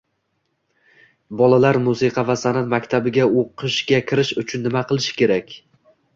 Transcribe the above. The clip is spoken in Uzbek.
Bolalar musiqa va san’at maktabiga o‘qishga kirish uchun nima qilish kerak?